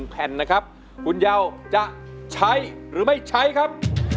แผ่นหนึ่งใช้หรือไม่ใช้ครับ